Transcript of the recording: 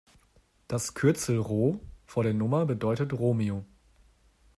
Das Kürzel Ro vor der Nummer bedeutet Romeo.